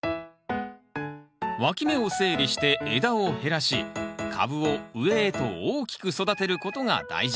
わき芽を整理して枝を減らし株を上へと大きく育てることが大事。